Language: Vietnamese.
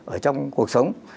ở trong cuộc sống